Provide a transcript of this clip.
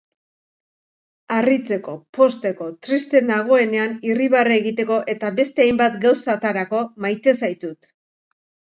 Harritzeko, pozteko, triste nagoenean irribarre egiteko eta beste hainbat gauzatarako, maite zaitut.